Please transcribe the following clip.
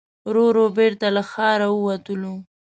ورو ورو بېرته له ښاره ووتلو.